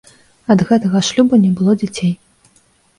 Ад гэтага шлюбу не было дзяцей.